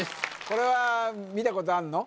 これは見たことあんの？